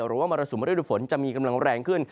หรือว่ามรสุมบริษฐศิลป์ฝนจะมีกำลังแรงขึ้น